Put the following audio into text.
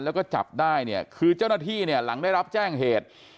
แล้วก็จับได้เนี่ยคือเจ้าหน้าที่เนี่ยหลังได้รับแจ้งเหตุ